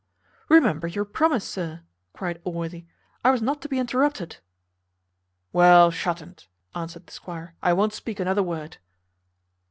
"Remember your promise, sir," cried Allworthy, "I was not to be interrupted." "Well, shat unt," answered the squire; "I won't speak another word."